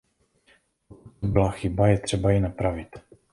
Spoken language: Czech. Pokud to byla chyba, je třeba ji napravit.